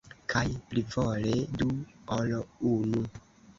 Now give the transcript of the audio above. Kaj plivole du ol unu!